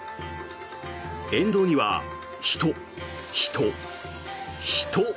沿道には人、人、人。